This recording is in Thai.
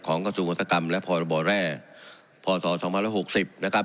ของกสมศักรรมและพรบแร่พศ๒๐๖๐นะครับ